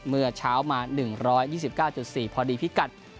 เมื่อเช้ามา๑๒๙๔พอดีพิกัด